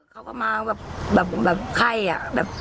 เขาก็มาแบบไข้อะแบบ